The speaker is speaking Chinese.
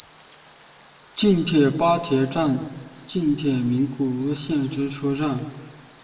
近铁八田站近铁名古屋线之车站。